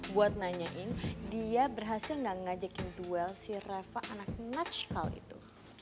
buat nanyain dia berhasil gak ngajakin duel si rava anak nakshow itu